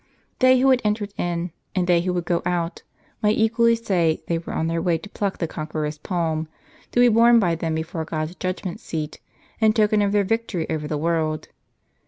They who had entered in, and they who would go out, might equally say they were on their way to pluck the conqueror's palm, to be borne by them before God's judgment seat, in token of their victory over the world.